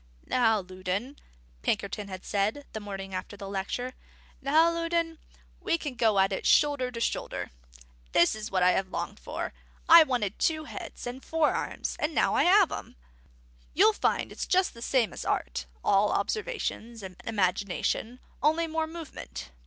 "Now, Loudon," Pinkerton had said, the morning after the lecture, "now Loudon, we can go at it shoulder to shoulder. This is what I have longed for: I wanted two heads and four arms; and now I have 'em. You'll find it's just the same as art all observation and imagination; only more movement.